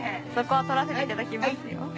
そこを撮らせていただきますよ。